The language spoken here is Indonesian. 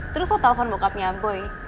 terus lo telfon bokapnya boy